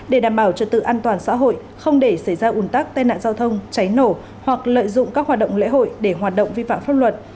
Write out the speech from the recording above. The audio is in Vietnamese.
để đảm bảo trật tự an toàn xã hội không để xảy ra ủn tắc tai nạn giao thông cháy nổ hoặc lợi dụng các hoạt động lễ hội để hoạt động vi phạm pháp luật